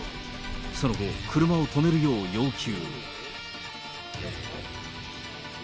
その後、車を止めるよう要求。